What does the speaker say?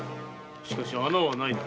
しかし穴はないな？